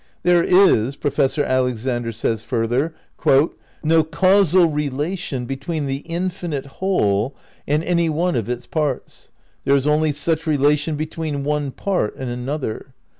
"There is," Professor Alexander says further, "no causal relation between the infinite whole and any one of its parts. There is only such relation between one part and another.